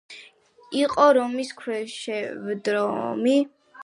იყო რომის ქვეშევრდომი.